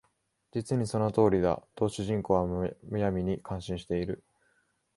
実にその通りだ」と主人は無闇に感心している